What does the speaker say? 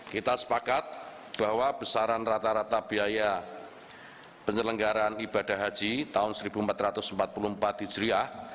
kita sepakat bahwa besaran rata rata biaya penyelenggaraan ibadah haji tahun seribu empat ratus empat puluh empat hijriah